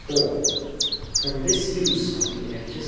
From this use of the Accus.